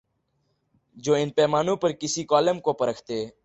جو ان پیمانوں پر کسی کالم کو پرکھتے